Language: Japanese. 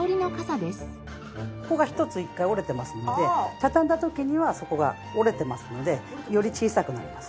ここが一つ１回折れてますので畳んだ時にはそこが折れてますのでより小さくなります。